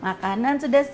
makanan sudah siap